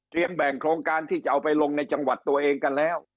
แบ่งโครงการที่จะเอาไปลงในจังหวัดตัวเองกันแล้ว